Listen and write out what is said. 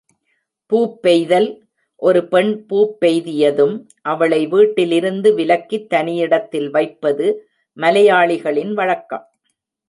பூப்பெய்தல் ஒரு பெண் பூப்பெய்தியதும், அவளை வீட்டிலிருந்து விலக்கித் தனியிடத்தில் வைப்பது மலையாளிகளின் வழக்கம்.